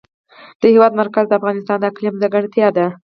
د هېواد مرکز د افغانستان د اقلیم ځانګړتیا ده.